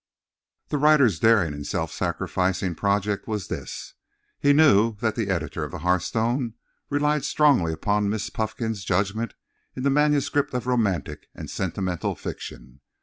The writer's daring and self sacrificing project was this: He knew that the editor of the Hearthstone relied strongly upon Miss Puffkin's judgment in the manuscript of romantic and sentimental fiction.